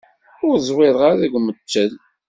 Ur ẓwireɣ ara deg umettel.